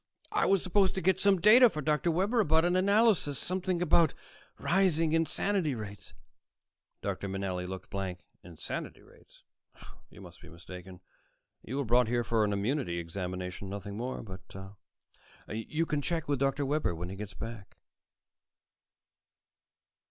"I was supposed to get some data from Dr. Webber about an analysis, something about rising insanity rates." Dr. Manelli looked blank. "Insanity rates? You must be mistaken. You were brought here for an immunity examination, nothing more. But you can check with Dr. Webber, when he gets back."